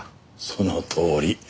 そのとおり。